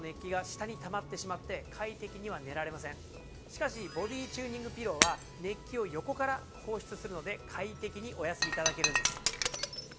しかしボディチューニングピローは熱気を横から放出するので快適にお休み頂けるんです。